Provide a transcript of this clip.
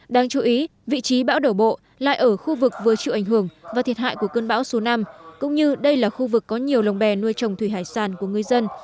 đáng chú ý vị trí bão đổ bộ lại ở khu vực vừa chịu ảnh hưởng và thiệt hại của cơn bão số năm cũng như đây là khu vực có nhiều lồng bè nuôi trồng thủy hải sản của người dân